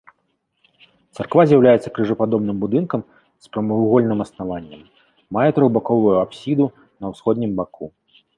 Царква з'яўляецца крыжападобным будынкам з прамавугольным аснаваннем, мае трохбаковую апсіду на ўсходнім баку.